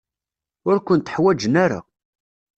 Ur kent-ḥwajen ara.